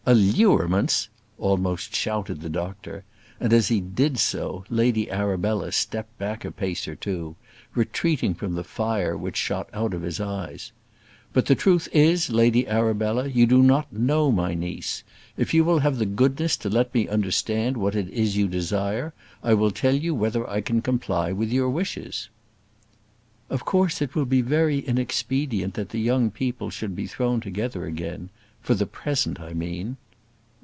"Allurements!" almost shouted the doctor, and, as he did so, Lady Arabella stepped back a pace or two, retreating from the fire which shot out of his eyes. "But the truth is, Lady Arabella, you do not know my niece. If you will have the goodness to let me understand what it is that you desire I will tell you whether I can comply with your wishes." "Of course it will be very inexpedient that the young people should be thrown together again; for the present, I mean."